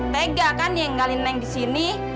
tega kan nyenggalin neng di sini